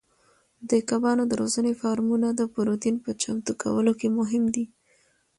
د کبانو د روزنې فارمونه د پروتین په چمتو کولو کې مهم دي.